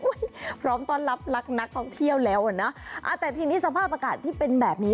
พร้อมต้อนรับรักนักท่องเที่ยวแล้วอ่ะนะอ่าแต่ทีนี้สภาพอากาศที่เป็นแบบนี้